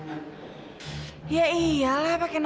oh ada dari omang ada dari adu